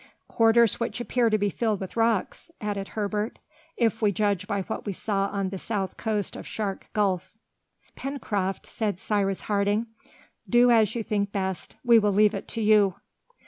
"Quarters which appear to be filled with rocks," added Herbert, "if we judge by what we saw on the south coast of Shark Gulf." "Pencroft," said Cyrus Harding, "do as you think best, we will leave it to you."